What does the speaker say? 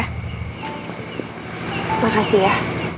terima kasih ya